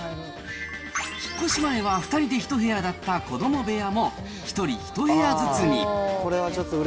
引っ越し前は２人で一部屋だった子ども部屋も、１人１部屋ずつに。